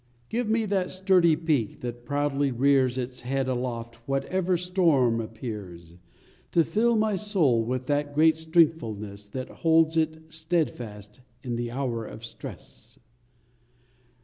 Give me the sturdy peak that proudly rears Its head aloft whatever storm appears, To fill my soul with that great strengthfulness That holds it steadfast in the hour of stress